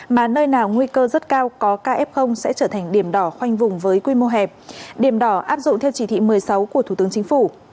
mà nơi nào nguy cơ rất cao có kf sẽ trở thành điểm đỏ khoanh vùng với quy mô hẹp điểm đỏ áp dụng theo chỉ thị một mươi sáu của thủ tướng chính phủ